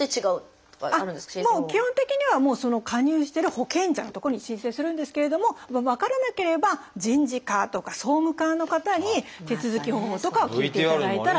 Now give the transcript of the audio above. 基本的にはその加入してる保険者のとこに申請するんですけれども分からなければ人事課とか総務課の方に手続き方法とかを聞いていただいたら。